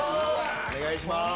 お願いします。